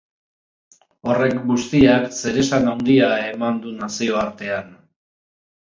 Horrek guztiak zeresan handia eman du nazioartean.